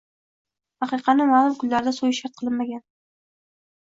Aqiqani ma’lum kunlarda so‘yish shart qilinmagan.